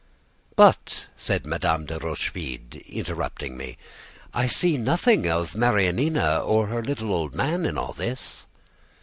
"But," said Madame de Rochefide, interrupting me, "I see nothing of Marianina or her little old man in all this."